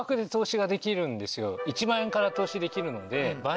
１万円から投資できるので。